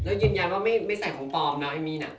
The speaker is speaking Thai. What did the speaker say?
แล้วยืนยันว่าไม่ใส่ของฟองเนาะเอมมี่นะ